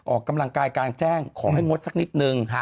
ออกกำลังกายกลางแจ้งขอให้งดสักนิดนึง